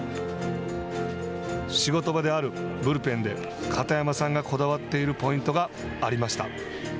仕事場であるブルペンで片山さんがこだわっているポイントがありました。